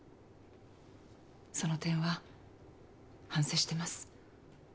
その点は反省してます。